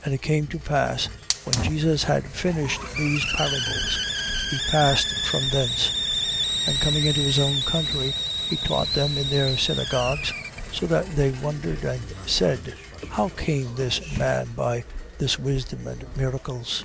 13:53. And it came to pass: when Jesus had finished these parables, he passed from thence. 13:54. And coming into his own country, he taught them in their synagogues, so that they wondered and said: How came this man by this wisdom and miracles?